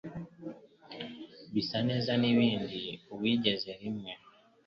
bisa neza nibindi uwigeze rimwe